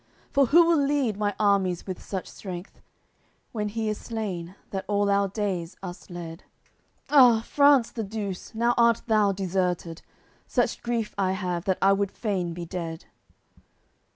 For who will lead my armies with such strength, When he is slain, that all our days us led? Ah! France the Douce, now art thou deserted! Such grief I have that I would fain be dead."